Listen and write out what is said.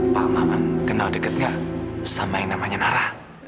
pak maman kenal dekat gak sama yang namanya narah